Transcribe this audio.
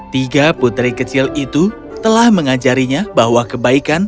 tiga putri kecil itu telah mengajarinya bahwa kebaikan